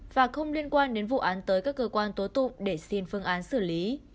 và không liên quan đến vụ án tới các cơ quan tố tụng để xin phương án xử lý